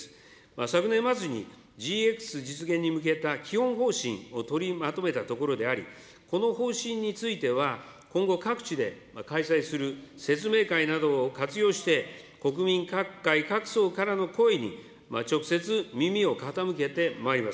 昨年末にＧＸ実現に向けた基本方針を取りまとめたところであり、この方針については、今後、各地で開催する説明会などを活用して、国民各界、各層からの声に直接耳を傾けてまいります。